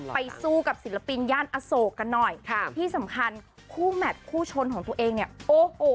สู้กับศิลปินย่านอโศกกันหน่อยค่ะที่สำคัญคู่แมทคู่ชนของตัวเองเนี่ยโอ้โห